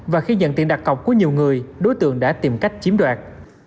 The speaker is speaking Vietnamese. và khi nhận tiền đặt cọc của nhiều người đối tượng đã tìm cách chiếm đoạt